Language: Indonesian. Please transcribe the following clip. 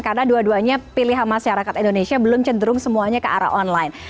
karena dua duanya pilihan masyarakat indonesia belum cenderung semuanya ke arah online